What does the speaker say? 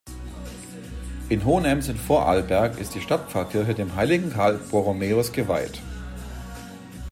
In Hohenems in Vorarlberg ist die Stadtpfarrkirche dem heiligen Karl Borromäus geweiht.